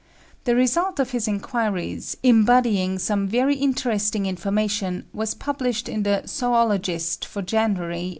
The result of his inquiries, embodying some very interesting information, was published in the Zoologist for January, 1881.